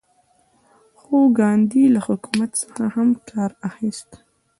خو ګاندي له حکمت څخه هم کار اخیست.